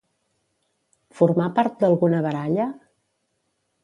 Formà part d'alguna baralla?